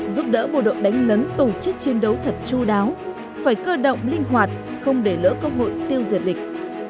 giúp đỡ bộ đội đánh lấn tổ chức chiến đấu thật chú đáo phải cơ động linh hoạt không để lỡ cơ hội tiêu diệt địch